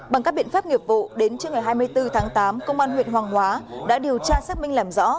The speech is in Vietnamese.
bằng các biện pháp nghiệp vụ đến trưa ngày hai mươi bốn tháng tám công an huyện hoàng hóa đã điều tra xác minh làm rõ